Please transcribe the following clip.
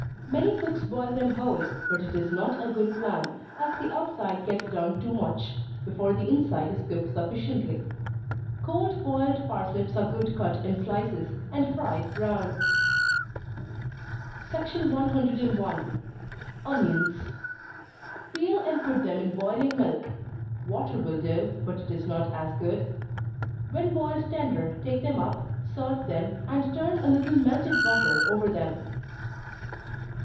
Many cooks boil them whole, but it is not a good plan, as the outside gets done too much, before the inside is cooked sufficiently. Cold boiled parsnips are good cut in slices, and fried brown. 101. Onions. Peel and put them in boiling milk, (water will do, but it is not as good.) When boiled tender, take them up, salt them, and turn a little melted butter over them.